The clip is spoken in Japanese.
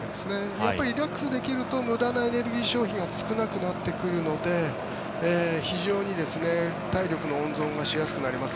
やっぱりリラックスできると無駄なエネルギー消費が少なくなるので非常に体力の温存がしやすくなります。